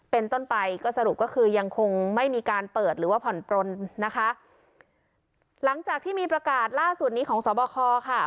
เป็นต้นไปก็สรุปก็คือยังคงไม่มีการเปิดหรือว่าผ่อนปลนนะคะหลังจากที่มีประกาศล่าสุดนี้ของสอบคอค่ะ